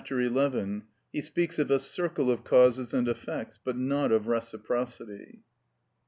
11, he speaks of a circle of causes and effects, but not of reciprocity.